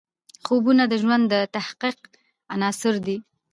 خوبونه د ژوند د تحقق عناصر دي.